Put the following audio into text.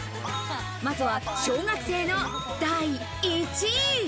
まずは小学生の第１位。